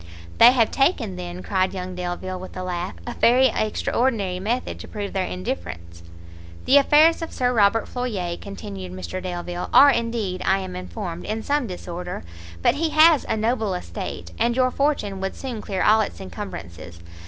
"They have taken, then," cried young Delvile with a laugh, "a very extraordinary method to prove their indifference!" "The affairs of Sir Robert Floyer," continued Mr Delvile, "are indeed, I am informed, in some disorder; but he has a noble estate, and your fortune would soon clear all its incumbrances.